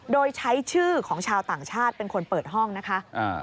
โดยใช้ชื่อของชาวต่างชาติเป็นคนเปิดห้องนะคะ